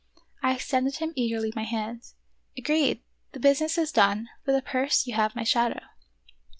I extended him eagerly my hand. "Agreed ! the business is done; for the purse you have my shadow